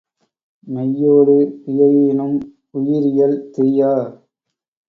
மெய்யொடு இயையினும் உயிர்இயல் திரியா